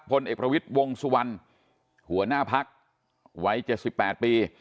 พลเอกประวิทย์วงสุวรรณหัวหน้าพักวัย๗๘ปี